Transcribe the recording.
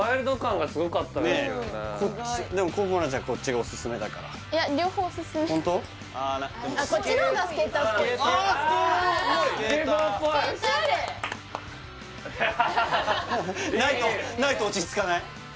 オシャレないと落ち着かない？